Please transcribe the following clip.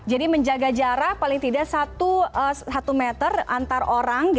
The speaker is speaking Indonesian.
jadi menjaga jarak paling tidak satu meter antar orang